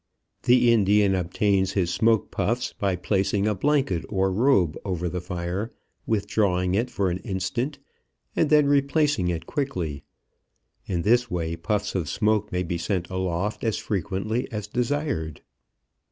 The Indian obtains his smoke puffs by placing a blanket or robe over the fire, withdrawing it for an instant, and then replacing it quickly. In this way puffs of smoke may be sent aloft as frequently as desired.